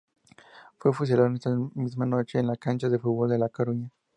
Fue fusilado esa misma noche en la cancha de fútbol de La Coruña.